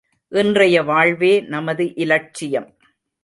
இன்றைய வாழ்வே நமது இலட்சியம்!